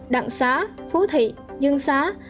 đặng xá phú thị dương xá